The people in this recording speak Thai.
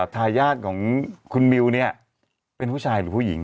ทายาทของคุณมิวเนี่ยเป็นผู้ชายหรือผู้หญิง